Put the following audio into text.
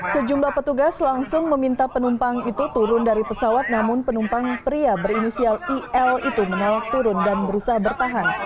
sejumlah petugas langsung meminta penumpang itu turun dari pesawat namun penumpang pria berinisial il itu menelak turun dan berusaha bertahan